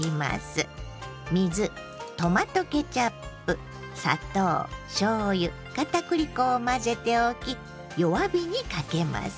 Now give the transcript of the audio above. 水トマトケチャップ砂糖しょうゆ片栗粉を混ぜておき弱火にかけます。